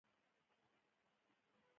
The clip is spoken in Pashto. مچمچۍ د خوږو ګلونو په لټه کې وي